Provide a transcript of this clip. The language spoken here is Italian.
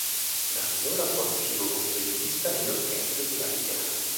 Da allora fu attivo come violinista nelle orchestre di vari teatri.